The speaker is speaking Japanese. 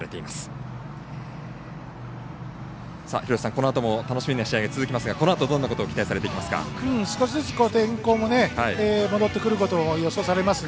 このあとも楽しみな試合が続きますがこのあと、どんなことを期待されていきますか？